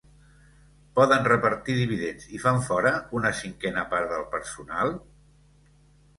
Poden repartir dividends i fan fora una cinquena part del personal?